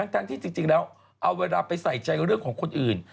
ทั้งที่จริงแล้วเอาเวลาไปใส่ใจเรื่องของคนอื่น